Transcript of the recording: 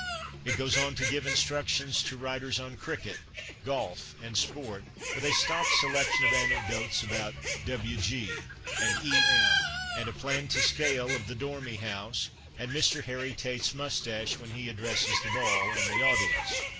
It goes on to give instruc tions to writers on cricket, golf, and sport, with a stock selection of anecdotes about " W.G." and " E.M.," and a plan to scale of the Dormy House and Mr. Harry Tate's moustache when he addresses the ball and the audience.